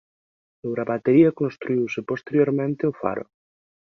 Sobre a batería construíuse posteriormente o faro.